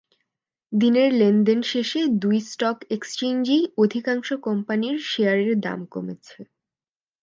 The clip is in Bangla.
দিনের লেনদেন শেষে দুই স্টক এক্সচেঞ্জেই অধিকাংশ কোম্পানির শেয়ারের দাম কমেছে।